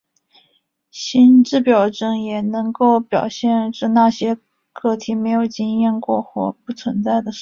心智表征也能够表现那些个体没有经验过或不存在的事物。